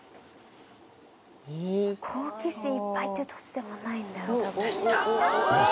好奇心いっぱいって年でもないんだよたぶん。